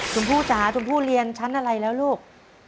ชมพู่จ๋าชมพู่เรียนชั้นอะไรแล้วลูก